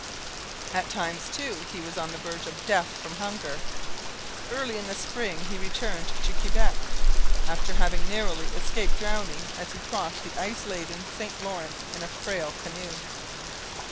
At times, too, he was on the verge of death from hunger. Early in the spring he returned to Quebec, after having narrowly escaped drowning as he Crossed the ice laden St Lawrence in a frail canoe.